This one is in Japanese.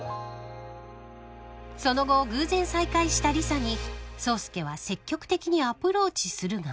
［その後偶然再会した理沙に宗佑は積極的にアプローチするが］